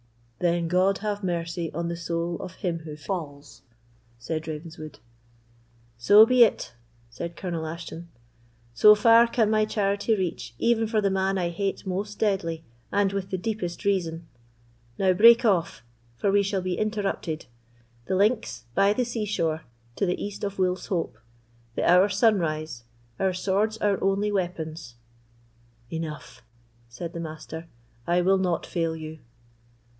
"Then God have mercy on the soul of him who falls!" said Ravenswood. "So be it!" said Colonel Ashton; "so far can my charity reach even for the man I hate most deadly, and with the deepest reason. Now, break off, for we shall be interrupted. The links by the sea shore to the east of Wolf's Hope; the hour, sunrise; our swords our only weapons." "Enough," said the Master, "I will not fail you."